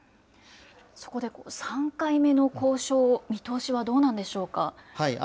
そこで３回目の交渉、見通しはどうなんでしょうか。